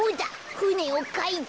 ふねをかいて。